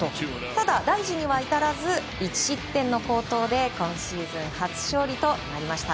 ただ、大事には至らず１失点の好投で今シーズン初勝利となりました。